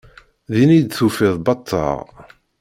Din iyi-d tufiḍ bateɣ.